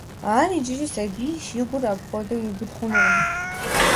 Ар иджыри сабийщ, и гур апхуэдэу ибуд хъунукъым.